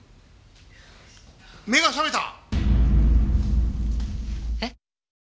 目が覚めた！？